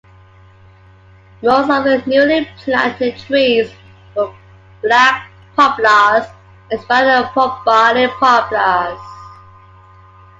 Most of the newly planted trees were black poplars and its variant, Lombardy poplars.